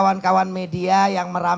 mau ngambil bendera